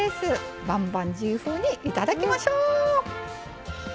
バンバンジー風にいただきましょう。